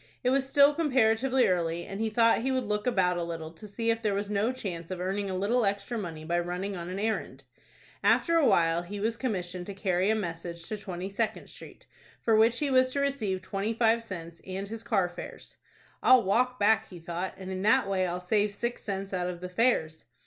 It was still comparatively early, and he thought he would look about a little to see if there was no chance of earning a little extra money by running on an errand. After a while he was commissioned to carry a message to Twenty Second Street, for which he was to receive twenty five cents, and his car fares. "I'll walk back," he thought, "and in that way I'll save six cents out of the fares."